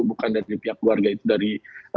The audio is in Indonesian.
bukan dari pihak keluarga itu dari